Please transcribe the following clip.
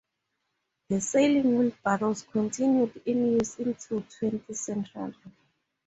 These sailing wheelbarrows continued in use into the twentieth century.